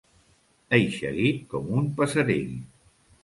Eixerit com un passerell.